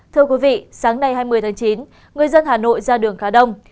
thưa quý vị sáng nay hai mươi tháng chín người dân hà nội ra đường khá đông